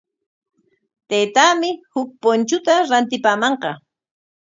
Taytaami huk punchuta rantipamanqa.